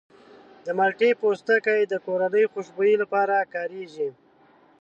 د مالټې پوستکی د کورني خوشبویي لپاره کارېږي.